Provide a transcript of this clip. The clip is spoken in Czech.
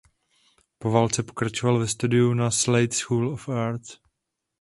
Po válce pokračoval ve studiu na "Slade School of Art".